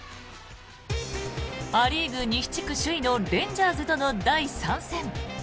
ア・リーグ西地区首位のレンジャーズとの第３戦。